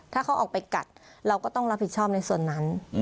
ถ้าเขาออกไปกัดเราก็ต้องรับผิดชอบในส่วนนั้น